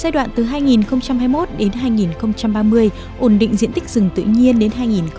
giai đoạn từ hai nghìn hai mươi một đến hai nghìn ba mươi ổn định diện tích rừng tự nhiên đến hai nghìn ba mươi